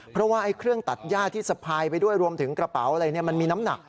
เพราะว่าเครื่องตัดย่าที่สะพายไปด้วยรวมถึงกระเป๋าอะไรมันมีน้ำหนัก